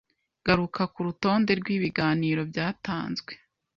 Garuka kurutonde rwibiganiro byatanzwe